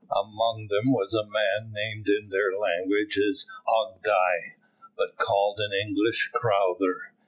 Among them was a man named in their language Adgai, but called in English Crowther.